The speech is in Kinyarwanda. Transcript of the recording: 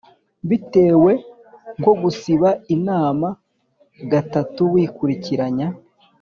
Bitewe nko gusiba inama gatatu wikurikiranya